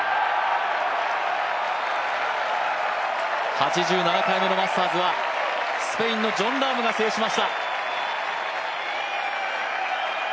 ８７回目のマスターズはスペインのジョン・ラームが制しました。